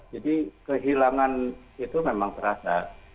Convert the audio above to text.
jadi kehilangan itu memang terasa